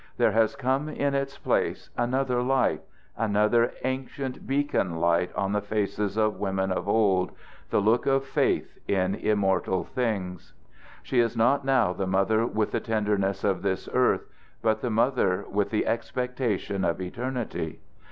There has come in its place another light, another ancient beacon light on the faces of women of old the look of faith in immortal things. She is not now the mother with the tenderness of this earth but the mother with the expectation of eternity.